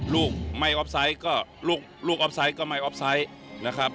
ลูกไม่ออฟไซต์ก็ลูกออฟไซต์ก็ไม่ออฟไซต์นะครับ